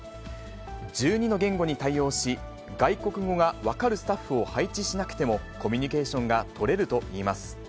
１２の言語に対応し、外国語が分かるスタッフを配置しなくても、コミュニケーションが取れるといいます。